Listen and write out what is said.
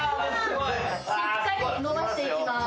しっかり伸ばしていきます。